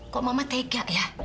kok mama tega ya